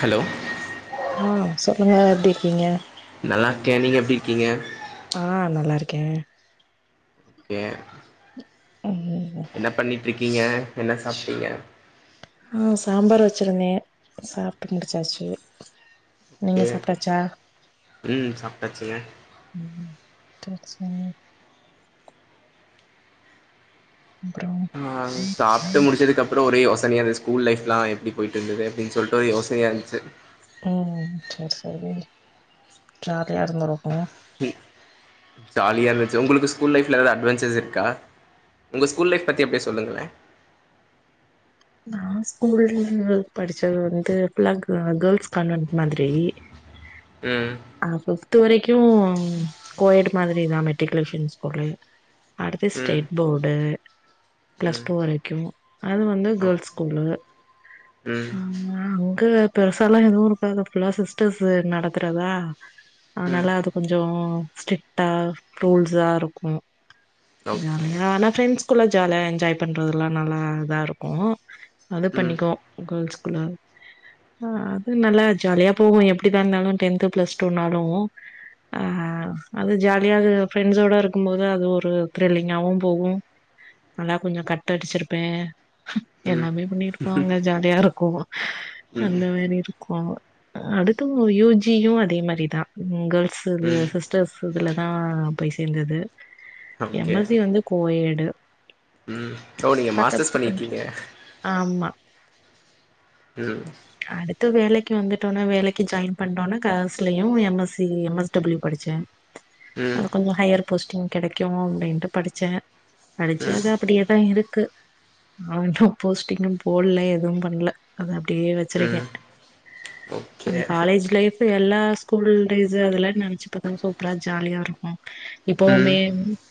Hello ஆ சொல்லுங்க எப்டி இருக்கீங்க கே நீங்க எப்டி இருக்கீங்க ஆ நல்லா இருக்கேன் ஓகே ம் என்ன பண்ணிட்ருக்கீங்க என்ன சாப்ட்டீங்க ஆ சாம்பார் வச்சிருந்தேன் சாப்ட்டு முடுச்சாச்சி நீங்க ஓகே சாப்ட்டாச்சா ம் சாப்ட்டாச்சுங்க ம் செரி செரிங் அப்றோ நான் சாப்ட்டு முடிச்சதுக்கப்புறோ ஒரு யோஸ் சனயா அந்த ஸ்கூல் லைஃப்லா எப்புடி போயிட்ருந்துது அப்டின்னு சொல்ட்டு ஒரே யோசனையா இருந்துச்சு ம் செர் செரி ஜாலியா இருந்துருக்கும் ஜாலியா இருந்துச்சு உங்குளுக்கு ஸ்கூல் லைஃப்ல எதாது அட்வெஞ்சர்ஸ் இருக்கா உங்க ஸ்கூல் லைஃப் பத்தி அப்டே சொல்லுங்களே நா ஸ்கூல் படிச்சது வந்து ஃபுல்லா க கேர்ள்ஸ் கான்வென்ட் மாதிரி ம் அ ஃபிஃப்த் வரைக்கும் கோயேடு மாதிரி தான் மெட் ட்ரிக்குலேசன் ஸ்கூலு அடுத்து ம் ஸ்டேட் போடு ம் ப்ளெஸ்ட்டூ வரைக்கும் அது வந்து ஓக் கேர்ள்ஸ் ஸ்கூலு ம் அங்க அங்கு பெருசா எல்லா எதுவும் இருக்காது ஃபுல்லா சிஸ்டர்ஸ்ஸு நடத்துறதா ம் அதனால அது கொஞ்சோ ஸ்ரிட்டா ரூல்ஸாருக்கு ஓகே ஜாலியா ஆனா ஃப்ரெண்ட்ஸ்க்குல ஜாலியா என்ஜாய் பண்றதெலா நல்லா இதா இருக்கு அது ம் பண்ணிக்குவோ கேர்ள்ஸ் குள்ளாற ஆ அது நல்லா ஜாலியா போகு எப்டிதா இருந்தாலு டென்த்து பிளஸ் டூனாலு ஆ அது ஜாலியா அது ஃப்ரெண்ட்ஸோட இருக்கும் போது அது ஒரு த்ரில்லிங்காவு போகு நாலா கொஞ்ச கட் அடிச்சிருப்பே ம் எல்லாமே பண்ணிருப்பாங்க ஜாலியா இருக்கு ம் அந்த மாரி இருக்கு அடுத்து யூ ஜி யு அதே மாரிதா கேர்ள்ஸ் இதுல ம் சிஸ்டர்ஸ் இதுல நா போய் சேந்தது எம் ஓகே எஸ் சி வந்து கோ எடு ம் சோ நீங்க மாஸ்டர்ஸ் கொஞ்சோ பண்ணிருக்கிங்க ஆமா ம் அடுத்து வேலைக் கு வந்துட்டொன வேலைக்கு ஜாயின் பண்ட்டோன கரஸ்லயு M S C M S W படிச்சே ம் அது கொஞ்ச ஹையர் போஸ்டிங் கெடைக்கு அப்டின்ட்டு படிச்சே படிச்சி ம் அது அப்டியேதா இருக்கு அவங்க போஸ்ட்டிங்கு போடல எதுவு பண்ல அது அப் டயே வச்சிருக்க ம் ஓகே அது காலேஜ் லைஃப் எல்லா ஸ்கூல் டேஸ் அதுல நெனைச்சு பாத்த சூப்ரா ஜாலியா இருக்கு ம் இப்பவுமே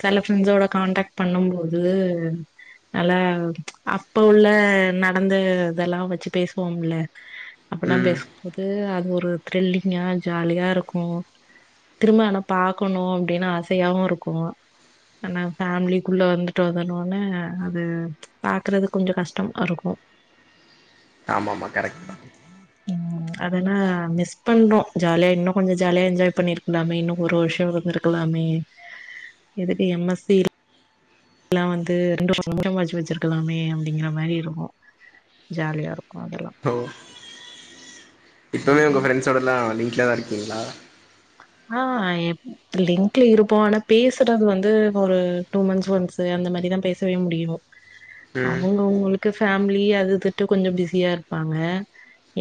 செல ஃப்ரெண்ட்ஸோட கான்டாக்ட் பண்ணும் போது நல்ல அப்ப உள்ள நடந்த இதெலா வச்சு பேசுவோம்ல அப்பலா ம் பேசும்போது அது ஒரு த்ரில்லிங்கா ஜாலியா இருக்கு திரும்ப ஆனா பாக்கணு அப்டினு ஆசையாவு இருக்கு ஆனா ஃபேமிலிக்குள்ள வந்துட்டோதனோன அது பாக்கறது கொஞ்ச கஷ்டமாருக்கு ஆமாமா கரெக்டுதா அதெனா மிஸ் பண்றோ ஜாலியா இன்னு கொஞ்ச ஜாலியா என்ஜாய் பண்ணிருக்லாமே இன்னு ஒரு வருஷ இருந்ருக்கலா மே எதுக்கு எம் எஸ் சி எல்லா வந்து ரண்டு வருஷங்றத மூணு வருஷ வச்சிருக்லாமே அப்டிங்ற மாரி இருக்கு ஜாலியா இருக்கு அது ஓ இப்பவே உங்க ஃப்ரெண்ட்ஸோடலா லிங்க்லதா இருக்கிங்ளா ஆ எப் லிங்க்ல இருப்போ ஆனா பேசுறது வந்து ஒரு டூ மந்த்ஸ் ஒன்ஸு அந்த மாரிதா பேசவே முடியு ம் அவங்கவுங்ளுக்கு ஃபேமிலி அது இதுன்ட்டு கொஞ்ச பிஸியா இருப்பாங்க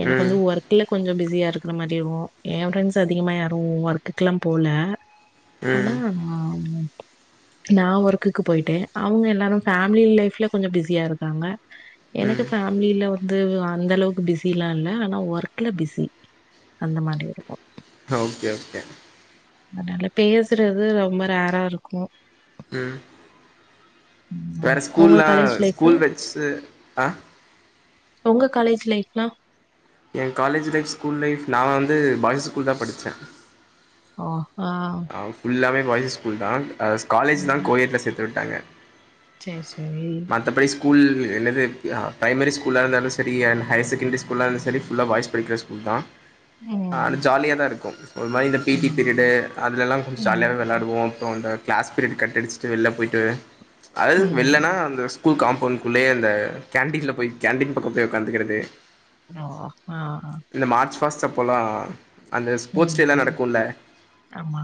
எனக்கு ம் வந்து ஒர்க்ல கொஞ்ச பிஸியா இருக்ற மாரி இருக்கு எ ஃப்ரெண்ட்ஸ் அதிகமா யார் உ ஒர்க்குக்லா போல ஆனா ம் நா ஒர்க்குக்கு போயிட்டே அவுங்க எல்லாரு ஃபேமிலி லைஃப்ல கொஞ்ச பிஸியா இருக்காங்க எனக் கு ம் ஃபேமிலில வந்து அந்தளவுக்கு பிஸிலா இல்ல ஆனா ஒர்க்ல பிஸி அந்த மாரி இருக்கு ஓகே ஓகே அதனால பேசறது ரொம்ப ரேரா இருக்கு ம் வேற ம் உங்க ஸ்கூல்லா காலேஜ் லைஃப் ஸ்கூல் வச்சு ஆ உங்க காலேஜ் லைஃப்லா எ காலேஜ் லைஃப் ஸ்கூல் லைஃப் நா வந்து பாய்ஸ் ஸ்கூல் தா படிச்ச ஓ ஹா நா ஃபுல்லாவே பாய்ஸஸ் ஸ்கூல் தான் காலேஜ் தா கோஎட் சேத்து விட்டாங்க சேர் சேரி மத்தபடி ஸ்கூல் என்னது அ பிரைமரி ஸ்கூலா இருந்தாலு சரி அண்டு ஹையர் செகண்டரி ஸ்கூலா இருந்தாலு சரி ஃபுல்லா பாய்ஸ் படிக்கிற ஸ்கூல் நா ஆ ம். ஜாலியா தா இருக்கு ஒரு மாதிரி இந்த பீட்டி பீரியடு ம். அதுல எல்லா கொஞ்ச ஜாலியாவே ம். விளையாடுவோ அப்புற அந்த கிளாஸ் பீரியட் கட்டடிச்சுட்டு வெள்ள போயிட்டு அது ம். வெள்ளனா அந்த ஸ்கூல் காம்பவுண்ட்குள்ளயே அந்த கேண்டீனில் போய் கேண்டீன் பக்க போய் உட்காந்துக்கிறது ஓ ஆ ஸ போலா அந்த ஸ்போர்ட்ஸ் டேலா ம். நடக்குல ஆமா.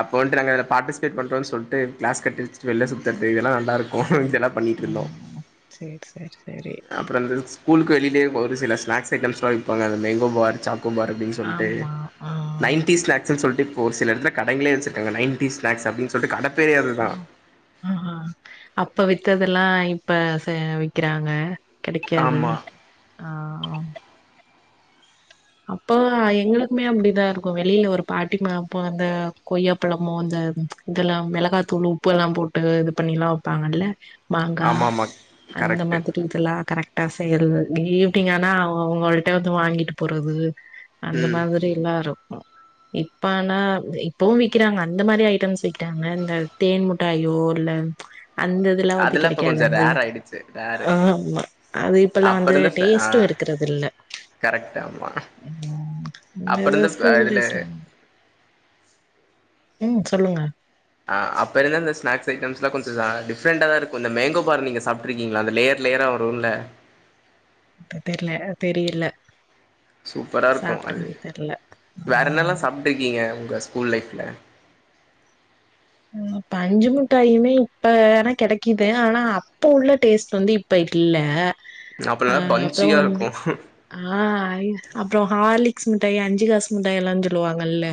அப்போ வன்ட்டு நாங்க அதில பார்டிஸ்பேட் பண்றோ சொல்லிட்டு கிளாஸ் கட்டு அடிச்சிட்டு வெளில சுத்துறது இதெல்லா நல்லாருக்கு இதெல்லா பண்ணிட்டு இருந்தோ ம். சரி, சரி, சரி. அப்புறோ ஸ்கூலுக்கு வெளியிலே ஒரு சில ஸ்நாக்ஸ் ஐட்டம்ஸ்லா விப்பாங்க அந்த மேங்கோ பார் சாக் கபார் அப்டின்னு சொல்ட்டு ஆமா. ஆ. நைன்டி ஸ்நாக்ஸூ சொல்ட் ப்போ ஒருசில எடத்துல கடைங்கலே வச்சிருக்காங்க நைன்டிஸ் ஸ்நாக்ஸ் அப்டினு சொல்ட்டு கட ஓ ஆஹ்ஹ அப்ப வித்ததெல்லா இப்ப விக்கிறாங்க கடைக்காது ஆமா ஆ அப்போ எங்களுக்குமே அப்டிதா இருக்கு வெளியில ஒரு பாட்டி மா அப்போ அந்த கொய்யாப்பழமு அந்த இதெல்லா மிளகாத்தூளு உப்பு எல்லா போட்டு இது பண்ணில்லா வப்பாங்கல்ல மாங்கா ஆமா ஆமா அந்த கரெக்ட் மாதிரி இதெல்லா கரெக்ட் பசைல் ஈவினிங்க ஆனா அவங்கள்கிட்ட வந்து வாங்கிட்டு போறது அந்த ம் மாதிரி எல்லாரு இப்ப ஆனா இப்பவு விக்கிறாங்க அந்த மாரி ஐட்டம்ஸ் விக்கறாங்க இந்த தேன் மிட்டாயோ இல்ல அந்த இதுல்லா வந்து அதெல்லாம் இப்ப கிடைக்காது கொஞ்சம் அந்த ரேர் ஆயிடுச்சு ரேரு ஆ ஆமா அது இப்பெல்லா வந்து டேஸ்ட்டு இருக் க்கிறது இல்ல கரெக்டாம் ம் இந்த ஃப- ஸ்கூல் இதுல டேஸ்ல ம் சொல்லுங்க ஆ அப்ப இருந்த இந்த ஸ்நாக்ஸ் ஐட்டம்ஸ்லா கொஞ்ச டிஃப்ரெண்டா தா இருக்கு இந்த மேங்கோ பார் நீங்க சாப்ட்ருக்கீங்களா அந்த லேயர் லேயரா வரும்ல எனக் தெரில தெரியல சூப்பரா இருக்கு அது சாப்ட்டது தெர்ல வேற ஆ என்னல்லா சாப்ட்க்கீங்க உங்க ஸ்கூல் லைஃப்ல்ல ம் பஞ்சு மிட்டாயுமே இப்ப ஆனா கடைக்குது ஆனா அப்ப உள்ள டேஸ்ட் வந்து இப்ப டி இல்ல அப்ப அ நல்லா அப்ற பஞ்சியா வந்து இருக்கும் ஆ அப்ற ஹார்லிக்‌ஸ் மிட் டாயி அஞ்சு காசு முட்டாயெல்லானு சொல்லுவாங்கல்ல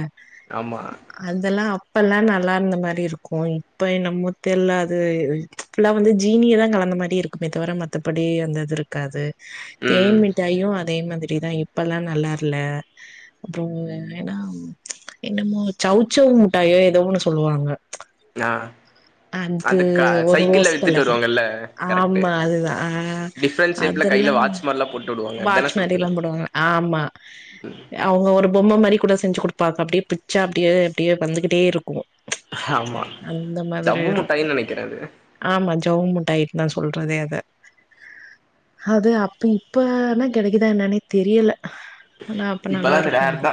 ஆமா அதெல்லா அப்பெல்லா நல்லா இருந்த மாரி இருக்கு இப்ப என்னமோ தெல்ல அது ஃபுல்லா வந்து ஜீனிய தா கலந்த மாதிரி இருக்குமே தவிர மத்தபடி அந்த இது இருக்காது தேன் ம் மிட்டாயு அதே மாதிரி தா இப்பெல்லா நல்லா இல்ல அப்பற ஏன்னா என்னமோ சவ்சவ்ச் முட்டாயோ எதோ ஒன்னு சொல்லுவாங்க ஆ அது அந்த க ஒரு சைக்கிள்ல ரோஸ் வித்துட்டு கலர் வருவாங்கல்ல கரெக்ட்டு ஆமா அதுதான் ஆ டிஃப்ரெண்ட் ஷேப்ல அதெல்லா கையில வாட்ச் மாரிலா போட்டு விடுவாங்க அதான வாட்ச்மாரி எல்லா சொல்றீங்க போடுவாங்க ஆமா அவங்க ஒரு பொம்ம மாதிரி கூட செஞ்சு கொடுப்பா அப்படியே பிச்சா அப்பே அப்படியே வந்துகிட்டே இருக்கு ஆமா அந்த மாதி ஜவ்வு ஏறு முட்டாய்ன்னு நெனைக்கிறே அது ஆமா ஜவ் முட்டாய்னு தா சொல்றதே அத அது அப்ப இப்பனா கிடைக்குதா என்னனே தெரியல ஆனா அப்ப நல்லா இப்பல்லா இருக்கு ரேர் அது தா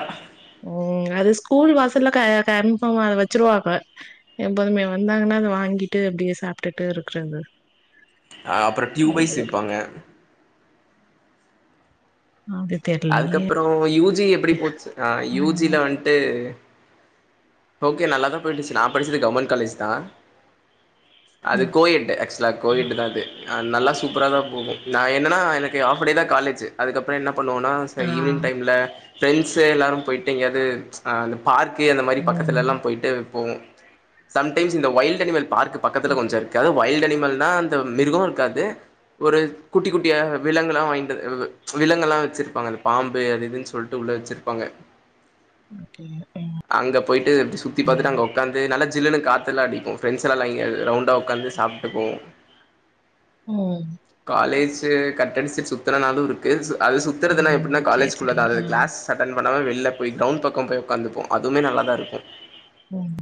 ம் அது ஸ்கூல் வாசல்ல கன்பாஃம் அத வச்சருவாங்க எப்போதுமே வ இருந்தாங்கன்னா அதை வாங்கிட்டு அப்டியே சாப்ட்டுட்டு இருக்றது அ அப்புறோ டியூப் வைஸ் விப்பாங்க அது தெர்லயே. அதுக்கப்றோ யூ ஜி எப்டி போச்சு அஹ் யூ ம் ஜில வன்டு ஓகே நல்லாதா போயிட்டுச்சு நா படிச்சது கவர்மெண்ட் காலேஜ் தா அது ம் கோயெட்டு ஆக்சுவலா அது கோயட்டு தா அது நல்லா சூப்பரா தா போகு நா என்னன்னா எனக்கு ஹாஃப் டே தா காலேஜு அதுக்கப்றோ என்ன பண்ணுவோ அஹ் சரி ஆ ஈவினிங் டைம்ல ஃப்ரெண்ட்ஸ் எல்லாரு போய்ட்டு எங்கியாது அஹ் அந் பார்க்கு அந்த மாரி ம் பக்கத்துல எல்லா போயிட்டு போவோ சம்டைம்ஸ் இந்த வொய்ல்டு அனிமல் பார்க்கு பக்கத்துல ம். கொஞ்சோ இருக்கு அது வொய்ல்ட்டு அனிமல்னா அந்த மிருகோ இருக்காது ஒரு குட்டி குட்டியா விலங்குல்லா வாங்கிட்டது வ்வ்வ விலங்கு எல்லா வச்சிருப்பாங்க அந்த பாம்பு அது இதுன்னு சொல்லிட்டு உள்ள வச்சிருப்பாங்க ஓகே. அங்க போய்ட்டு சுத்திப் பாத்துட்டு அங்க உக்காந்து நல்லா சில்லுன்னு காத்து எல்லா அடிக்கு ஃப்ரெண்ட்ஸ் எல்லா லை ரவுண்ட்டா உக்காந்து சாப்ட்டு போவோ உம் இது கட்டடிச்சிட்டு சுத்துன நாளு இருக்கு சு அது சுத்தறதுனா ம் எப்டினா சேரி காலேஜ் சேரி குள்ளதா அது ஆ அது க்ளாஸ் அட்டன் பண்ண வெள்ல போய் க்ரவுண்ட் பக்கோ போய் உக்காந்துப்போ அதுமே நல்லாதா இருக்கு உம்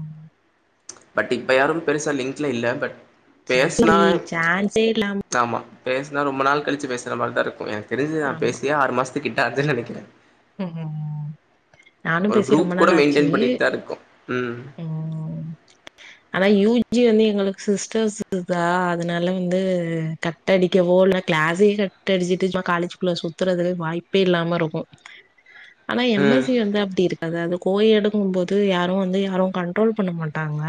பட் இப்ப யாரு பெருசா லிங்க்ல இல்ல பட் பேசுனா சேரி சான்ஸே இல்லாம ஆமா பேசனா ரொம்ப நாள் கழிச்சி பேசற மாரிதா இருக்கு எனக்கு தெரிஞ்சு நா ஆமா. பேசி ஃபஸ்ட்டு கிட்ட அர்ஜன்ல நிக்கற ம் நானும் ஒரு பேசி ரொம்ப குரூப்பு கூட நாள் ஆச்சு. மெயின்டெய்ன் பண்ணிட்டு தா இருக்கோ உம் ம். ஆனா யூ ஜி வந்து எங்களுக்கு சிஸ்டர்ஸ் இருக்கா அதனால வந்து கட் அடிக்கவோ இல்லனா கிளாஸையே கட் அடிச்சிட்டு ஜா காலேஜ்குள்ள சுத்தறதுக்கு வாய்ப்பே இல்லாம இருக்கு ஆனா எம் ம் எஸ் சி வந்து அப்டி இருக்காது அது கோயெட்டுங் போது யாரு வந்து யாரு கண்ட்ரோல் பண்ண மாட்டாங்க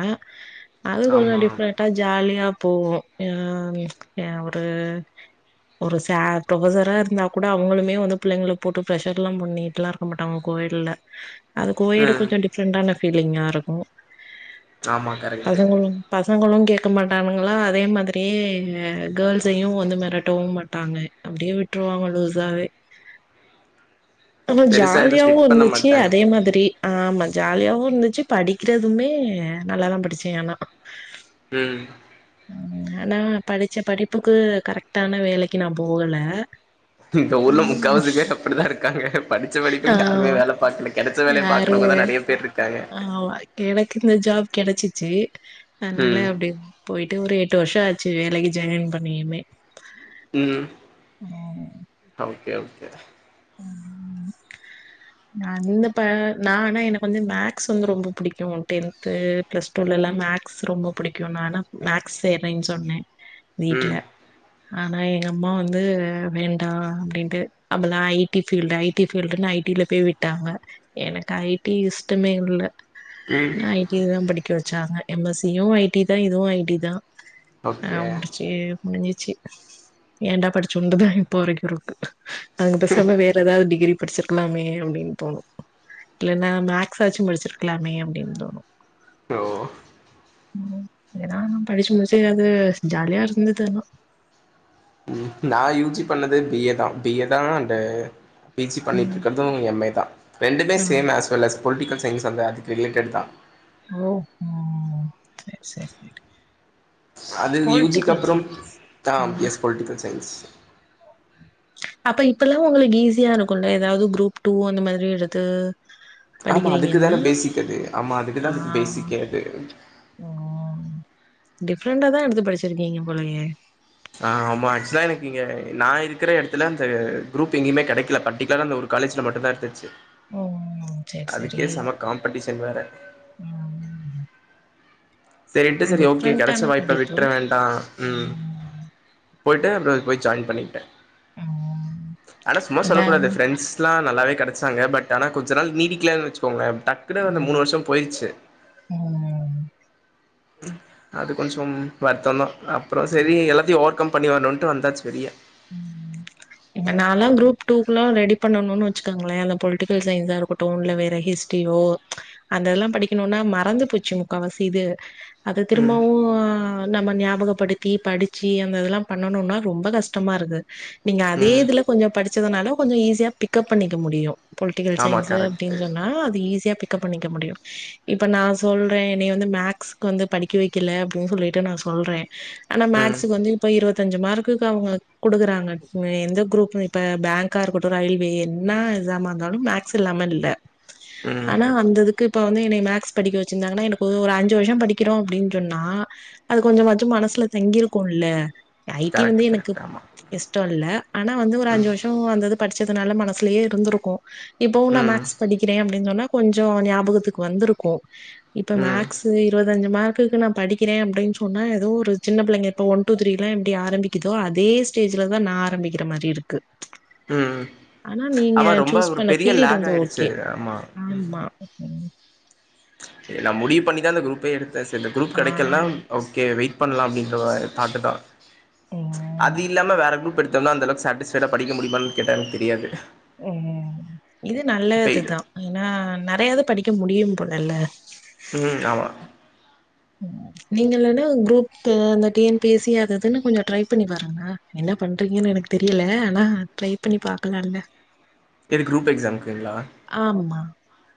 அது கொஞ்சோ ஆமா டிஃப்ரண்டா ஜாலியா போவு அஹ் எ ஒரு ஒரு சார் ப்ரொஃபசரா இருந்தா கூட அவுங்களுமே வந்து புள்ளைங்கள போட்டு பெஷர்லா பண்ணிட்டுலா இருக்க மாட்டாங்க கோயெட்டுல அது கோயேடு ம் கொஞ்சோ டிஃப்ரெண்ட் தாங்க ஃபீலிங்கா இருக்கு ஆமா கரெக்ட்டு இவங்களு கேட்க மாட்டானுங்களா அதே மாதிரியே கேர்ள்ஸையு வந்து மெரட்டவு மாட் டாங்க அப்டியே விட்டுருவாங்க லூசாவே ஆமா பெருசா எதுவும் ஜாலியாவு ஸ்ட்ரிக்ட் பண்ண இருந்துச்சி மாட்டாங்க அதே மாதிரி அஹ் ஆமா ஜாலியாவு இருந்துச்சு படிக்கறதுமே நல்லாதா படிச்சே ஆனா ம் ம் ஆனா படிச்ச படிப்புக்கு கரெக்ட்டான வேலைக்கு நா போகல இந்த ஊர்ல ம் முக்காவாசி பேர் அப்டிதா இருக்காங்க படிச்ச படிப்புக்கு யாருமே வேல பாக்கலை கெடைச்ச வேலைய பாக் ண்ணுங்க எனக்கு இந்த ஜாப் கெடச்சிச்சி அதுனால ம் அப்டே போயிட்டு ஒரு எட்டு வருஷோ ஆச்சு வேலைக்கு ஜாயின் பண்ணியுமே உம் ஓகே ஓகே நா நின்னப்ப நா அனா எனக்கு வந்து மேக்ஸ் வந்து ரொம்ப புடிக்கு டென்த்து ப்ளஸ் டூல லா ம மேக்ஸ் ரொம்ப புடிக்கு நான்னா மேக்ஸ் சேறேன்னு சொன்ன வீட்ல ம் ஆனா எங்க அம்மா வந்து வேண்டா அப்டின்ட்டு அப்பெல்லா I I T field I T ஃபீல்டுன்னு ஐ டில போய் விட்டாங்க எனக்கு ஐ டி இஷ்டமே இல்ல ம் ஐ டி தா படிக்க வச்சாங்க எம் எஸ் சி யு ஐ டி தா இதுவு ஐ டி தா ஓகே அஹ் முடிச்சு முடிஞ்சிச்சு ஏண்டா படிச்சோண்டுது இப்போ வரைக்கு இருக்கு அதுக்குப் பெசாம வேற எதாவது டிகிரி படிச்சிருக்கலாமே அப்டின் தோணு இல்லன்னா மேக்ஸ்சாச்சு படிச்சிருக்கலாமே அப்டின் தோணு லோ ம் ஏனா படிச்சு [unintelligible] ஜாலியா இருந்துது ஆனா நா யூஜி பண்ணது பி ஏ தா பி ஏ தா அண்டு பி ஜி ம் பண்ணிட்ருக்கது எம் ஏ தா ரெண்டுமே ஆ same as well as political science தந்த அதுக் ரிலேடட் தா ஓஹோ சேரி சேரி சேரி அது யூ ஜிக்கு பொலிட்டிக்கல் அப்புறம் சயின்ஸ் தாம் ம் எஸ் பொலிட்டிக்கல் சய்ன்ஸ் அப்ப இப்பலா உங்களுக்கு ஈஸியா இருக்குல்ல ஏதாவது க்ரூப் டூ அந்த மாதிரி எடுத்து ஆமா படிக்கிறீங்கன்னா அதுக்குதானே பேசிக் அது ஆமா ஆ அதுக்குதா அது பேசிக்கே அது டிஃப்ரண்டா தா எடுத்து படிச்சிருக்கீங்க போலயே ஆ ஆமா ஆக்சுவலா எனக்கு இங்க நா இருக்குற எடத்துல அந்த க்ரூப் எங்கயுமே கெடக்ல பட்டிக்லரா அந்த ஒரு காலேஜ்ல மட்டுந்தா இருந்துச்சு ம் சேரி சேரி அதுக்கே செம காம்படிஷன் வேற ம் சேரின்ட்டு சேரி ஓகே கெடச்ச டிஃப்ரெண்டான வாய்ப்ப படிப்பு விட்ற வேண்டா ம் போய்ட்டு அந்த போய் ஜாய்ன் பண்ணிகிட்டே ம் ஆனா சும்மா இதா சொல்லக்கூடாது ப்ரென்ஸ்லா நல்லாவே கெடச்சாங்க பட் ஆனா கொஞ்ச நாள் நீடிக்ல வச்சுக்கோங்ளே டக்குனு அந்த ம் மூணு வர்ஷோ போய்ற்ச்சு ம் அது கொஞ்சம் வருத்தோ தா அப்றோ சேரி எல்லாத்தையு ஓ கம் பண்ணி வரணுன்ட்டு வந்தாச்சு வெளிய நாலா குரூப் டூக்குல்லா ரெடி பண்ணணு வச்சுக்கங்களே அந்த பொலிட்டிக்கல் சயின்ஸா ருக்குட்டூன்ல வேற ஹிஸ்டியோ ச் அந்த இதெல்லா படிக்கணுனா மறந்து போச்சு முக்கா வாசி இது அத ம் திரும்பவு நம்ம ஞாபகப்படுத்தி படிச்சி அந்த இதெல்லா பண்ணணுனா ரொம்ப கஷ் டமா இருக்கு நீங்க அதே ம் இதுல கொஞ்சோ படிச்சதுனால கொஞ்சோ ஈஸியா பிக்கப் பண்ணிக்க முடியு பொலிட்டிக்கல் ஆமா சயின்ஸூ அப்டின் கரெக்ட்டு சொன்னா அது ஈஸியா பி க்கப் பண்ணிக்க முடியு இப்ப நா சொல்றே என்னய வந்து மக்ஸுக்கு வந்து படிக்க வக்கல அப்டின் சொல்லிட்டு நா சொல்றே ஆனா ம் மக்ஸுக்கு வந்து இப்ப இருவத்தஞ்சு மார்க்குக்கு அவுங்க குடுக்குறாங்க எந்த குரூப் இப்ப பாங்கா இருக்கட்டு ரயில்வே என்ன எக்ஸாம இருந்தாலு மக்ஸ் இல்லா லாம இல்ல ம் ஆனா அந்த இதுக்கு இப்ப வந்து என்னய மக்ஸ் படிக்க வச்சிருந்தாங்கனா எனக்கு ஒரு அஞ்சு வருஷோ படிக்கிறோ அப்டின் சொன்னா அது கொஞ்சமாச்சு மனசு ல தங்கிருக்குல்ல ஐடி வந்து கரெக்ட் எனக்கு கரெக்ட் ஆமா இஷ்டோ இல்ல ஆனா வந்து ஒரு அஞ்சு ம் வருஷோ அந்தது படிச்சதுனால மனசுலேயே இருந்துருக்கு இப்பவு நா ம் மக்ஸ் படிக்கிற அப்டின் சொன்னா கொஞ்சோ ஞாபகத்துக்கு வந்துருக்கு இப்ப ம் மக்ஸூ இருவத்தஞ்சு மார் குக்கு நா படிக்கிறே அப்டின் சொன்னா ஏதோ ஒரு சின்ன பிள்ளைங்க இப்ப ஒன் டூ த்ரீ லா எப்டி ஆரம்பிக்கிதோ அதே ஸ் ஸ்டேஜ்ல தா நா ஆரம்பிக்கிற மாரி இருக்கு ம் ம் ஆனா நீங்க ஆமா ரொம்ப சூஸ் ஒரு பண்ண பெரிய ஃபீல்டு லக் வந்து ஆயிருச்சு ஓகே ஆமா ம் ஆமா ம் நா முடிவு பண்ணிதா இந்த க்ரூப்பே எடுத்தே சர் இந்த க்ரூப் ஆ கெடைக்கல்னா ஓகே வெயிட் பண்லா அப்டின்ற வாரி தாட்டு தா ம் அது இல்லாம வேற க்ரூப் எடுத் தோனா அந்தளவுக்கு சாட்டிஸ்ஃபைடா படிக்க முடிமான் கேட்டா எனக்கு தெரியாது ம் இது நல்லதுதா ஏனா நெறைய இது படிக்க முடியு போலல்ல ம் ஆமா நீங்க இல்லன்னா க்ரூப் த இந்த டி என் பி சி அது இதுன்னு கொஞ்சோ ட்ரை பண்ணி பாருங்க என்ன ன்ன பண்றீங்கனு எனக்கு தெரியல ஆனா ட்ரை பண்ணி பாக்கலால்ல எது க்ரூப் எக்ஸமுக்குங்ளா ஆமா.